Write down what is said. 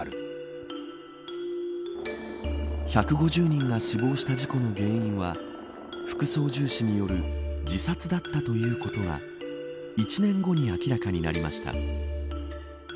１５０人が死亡した事故の原因は副操縦士による自殺だったということが１年後に明らかになりました。